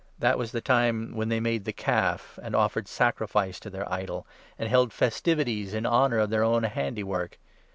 That was 41 the time when they made the Calf and offered sacrifice to their idol, and held festivities in honour of their own handiwork